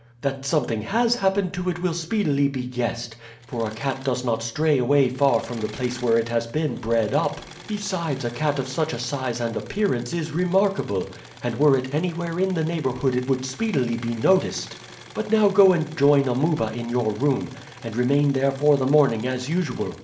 "That something has happened to it will speedily be guessed, for a cat does not stray away far from the place where it has been bred up; besides, a cat of such a size and appearance is remarkable, and were it anywhere in the neighborhood it would speedily be noticed. But now go and join Amuba in your room, and remain there for the morning as usual.